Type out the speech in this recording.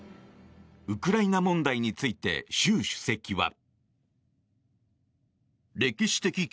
ウクライナ問題について習主席は。